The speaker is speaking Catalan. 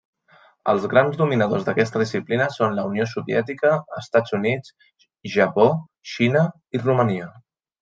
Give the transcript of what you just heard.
Els grans dominadors d'aquesta disciplina són la Unió Soviètica, Estats Units, Japó, Xina i Romania.